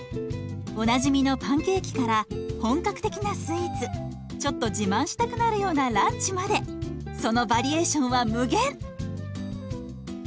おなじみのパンケーキから本格的なスイーツちょっと自慢したくなるようなランチまでそのバリエーションは無限！